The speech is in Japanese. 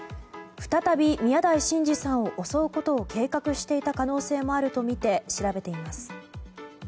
再び宮台真司さんを襲うことを計画していた可能性もあるとみて調べています。